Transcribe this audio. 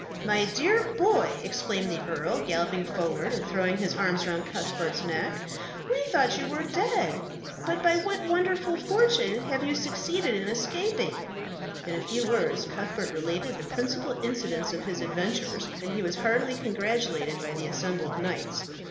"My dear boy!" exclaimed the earl, galloping forward and throwing his arms around Cuthbert's neck, "we thought you were dead. But by what wonderful fortune have you succeeded in escaping?" In a few words Cuthbert related the principal incidents of his adventures, and he was heartily congratulated by the assembled knights.